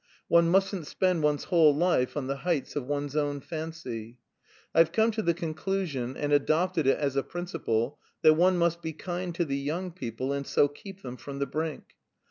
One mustn't spend one's whole life on the heights of one's own fancy. I've come to the conclusion, and adopted it as a principle, that one must be kind to the young people and so keep them from the brink.